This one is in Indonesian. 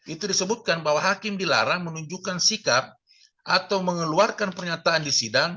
itu disebutkan bahwa hakim dilarang menunjukkan sikap atau mengeluarkan pernyataan di sidang